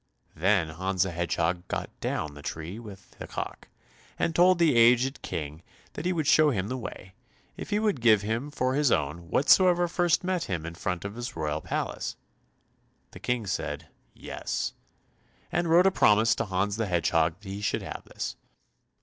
Then Hans the Hedgehog got down the tree with the cock, and told the aged King that he would show him the way, if he would give him for his own whatsoever first met him in front of his royal palace. The King said, "Yes," and wrote a promise to Hans the Hedgehog that he should have this.